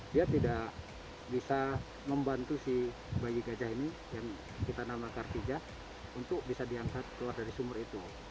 dia tidak bisa membantu si bayi gajah ini yang kita nama kartija untuk bisa diangkat keluar dari sumur itu